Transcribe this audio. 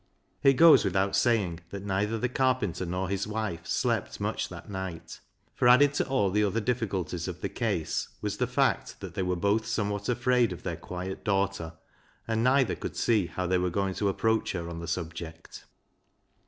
It goes without saying that neither the carpenter nor his wife slept much that night, for added to all the other difficulties of the case was the fact that they were both somewhat afraid of their quiet daughter, and neither could see how they were going to approach her on the subject.